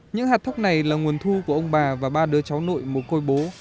những hạt thóc này là nguồn thu của ông bà và ba đứa cháu nội một côi bố